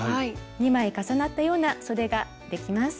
２枚重なったようなそでができます。